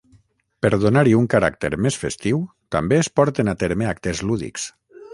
Per donar-hi un caràcter més festiu també es porten a terme actes lúdics.